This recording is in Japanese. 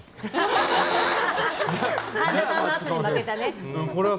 神田さんの圧に負けたね。